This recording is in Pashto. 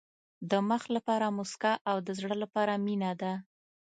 د مخ لپاره موسکا او د زړه لپاره مینه ده.